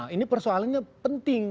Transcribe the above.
ini persoalannya penting